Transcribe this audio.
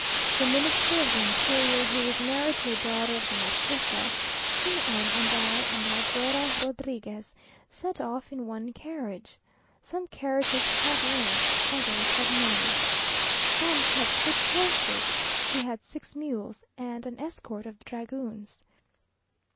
The Minister of the interior, who is married to a daughter of the marquesa, C n and I, and La Guera Rodriguez, set off in one carriage. Some carriages had lamps, others had none. Some had six horses; we had six mules, and an escort of dragoons.